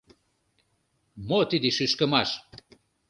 Мо тиде шӱшкымаш?